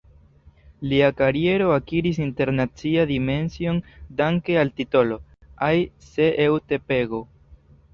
Lia kariero akiris internacian dimension danke al titolo "Ai se eu te pego".